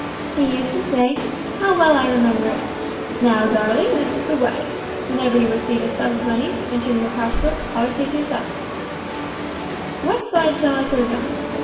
He used to say (how well I remember it), `Now, darling, this is the way: Whenever you receive a sum of money to enter in your cash book, always say to yourself, What side shall I put it on?